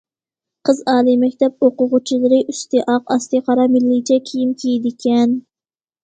قىز ئالىي مەكتەپ ئوقۇغۇچىلىرى ئۈستى ئاق، ئاستى قارا مىللىيچە كىيىم كىيىدىكەن.